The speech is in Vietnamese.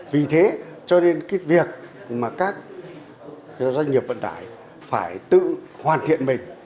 vì thế cho nên cái việc mà các doanh nghiệp vận tải phải tự hoàn thiện mình